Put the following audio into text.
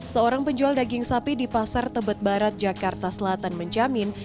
seorang penjual daging sapi di pasar tebet barat jakarta selatan menjamin